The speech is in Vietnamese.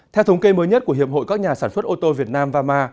theo thống kê mới nhất của hiệp hội các nhà sản xuất ô tô việt nam vama